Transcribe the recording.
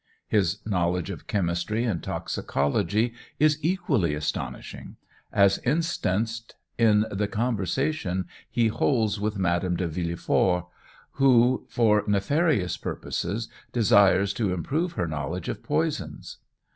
His knowledge of chemistry and toxicology is equally astonishing, as instanced in the conversation he holds with Madame de Villefort, who, for nefarious purposes, desires to improve her knowledge of poisons.